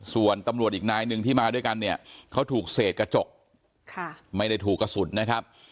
ส่วนตำรวจอีกนายหนึ่งที่มาด้วยกันเนี่ยเขาถูกเศษกระจกไม่ได้ถูกกระสุนนะครับ